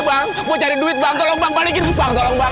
jangan pak itu bangunan saya